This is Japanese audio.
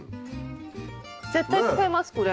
絶対使いますこれ。